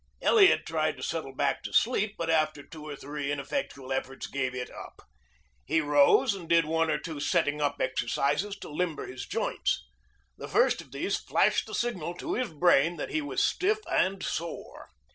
Elliot tried to settle back to sleep, but after two or three ineffectual efforts gave it up. He rose and did one or two setting up exercises to limber his joints. The first of these flashed the signal to his brain that he was stiff and sore.